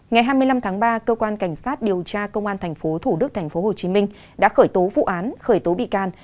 ngày hai mươi năm tháng ba cơ quan cảnh sát điều tra công an tp thủ đức tp hcm đã khởi tố vụ án khởi tố bị can